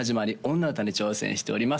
女歌に挑戦しております